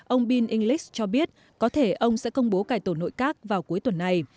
ông bill english cho biết có thể ông sẽ công bố cải tổ nội các vào cuối tuần này